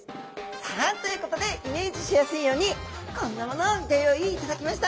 さあということでイメージしやすいようにこんなものをギョ用意いただきました。